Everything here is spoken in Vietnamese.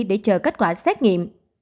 để chờ kết quả xét nghiệm